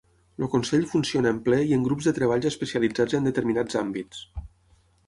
El Consell funciona en Ple i en grups de treballs especialitzats en determinats àmbits.